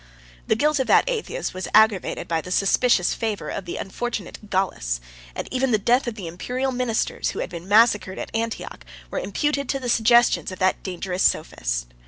The guilt of that atheist was aggravated by the suspicious favor of the unfortunate Gallus; and even the death of the Imperial ministers, who had been massacred at Antioch, were imputed to the suggestions of that dangerous sophist.